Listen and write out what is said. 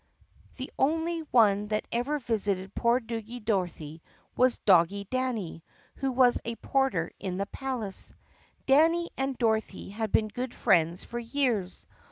The only one that ever visited poor Doggie Dorothy was Doggie Danny who was a porter in the palace. Danny and Dorothy had been good friends for years.